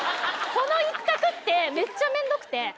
この一択ってめっちゃめんどくて。